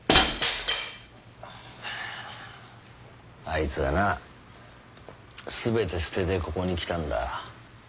あいつはな全て捨ててここに来たんだ。